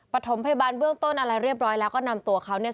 ปฐมพยาบาลเบื้องต้นอะไรเรียบร้อยแล้วก็นำตัวเขาเนี่ย